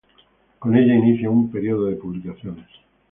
Con ella, inicia un período de publicaciones.